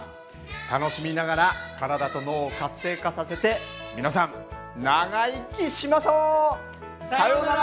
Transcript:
楽しみながら体と脳を活性化させて皆さん長生きしましょう！さよなら！